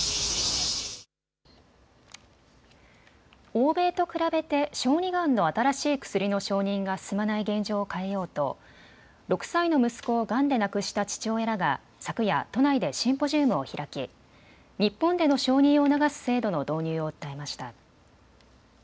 欧米と比べて小児がんの新しい薬の承認が進まない現状を変えようと６歳の息子をがんで亡くした父親らが昨夜、都内でシンポジウムを開き日本での承認を促す制度の導入を訴えました。